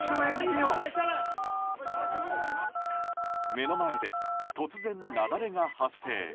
目の前で突然、雪崩が発生。